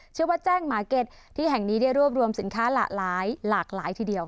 ชื่อว่าแจ้งหมาเก็ตที่แห่งนี้ได้รวบรวมสินค้าหลากหลายทีเดียว